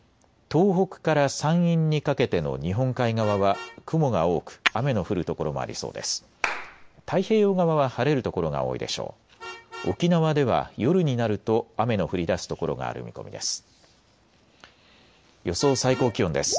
東北から山陰にかけての日本海側は雲が多く雨の降る所もありそうです。